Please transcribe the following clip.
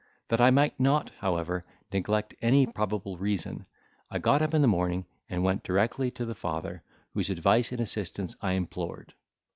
That I might not, however, neglect any probable reason, I got up in the morning, and went directly to the father, whose advice and assistance I implored.